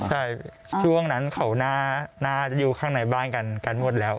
ใช่ช่วงนั้นเขาน่าจะอยู่ข้างในบ้านกันหมดแล้ว